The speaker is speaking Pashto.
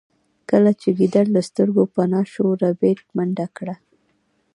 کله چې ګیدړ له سترګو پناه شو ربیټ منډه کړه